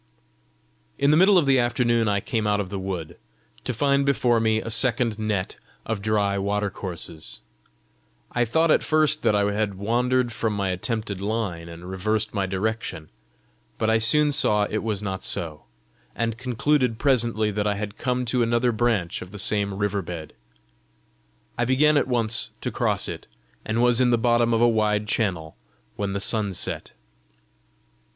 In the middle of the afternoon I came out of the wood to find before me a second net of dry water courses. I thought at first that I had wandered from my attempted line, and reversed my direction; but I soon saw it was not so, and concluded presently that I had come to another branch of the same river bed. I began at once to cross it, and was in the bottom of a wide channel when the sun set.